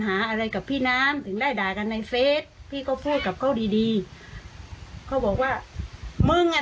ว่าเด็กรุ่นนั้นจะมาทำเพราะที่ไม่เกิดมีปัญหากับใครเลยน้องอยู่